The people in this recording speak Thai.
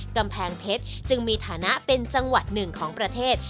กำแพงเพชรจึงมีฐานะเป็นจังหวัดหนึ่งของประเทศ